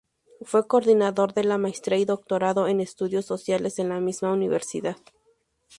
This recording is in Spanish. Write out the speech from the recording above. Fue coordinador de la maestría y doctorado en Estudios Sociales en la misma universidad.